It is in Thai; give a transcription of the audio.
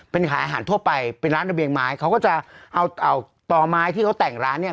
เป็นขายอาหารทั่วไปเป็นร้านระเบียงไม้เขาก็จะเอาต่อไม้ที่เขาแต่งร้านเนี่ย